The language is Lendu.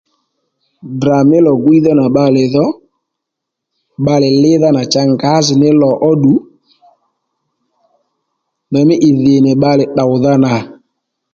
Ddrà mí lò-gwíydha nà bbalè dho bbalè lídha nà cha ngǎjìní lò óddù ndèymí ì dhì nì bbalè tdòwdha nà